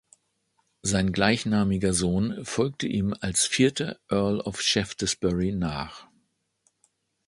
Sein gleichnamiger Sohn folgte ihm als vierter Earl of Shaftesbury nach.